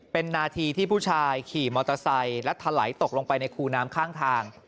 เป็นนาทีที่ผู้ชายขี่มอเตอร์ไซค์และถลายตกลงไปในคูน้ำข้างทาง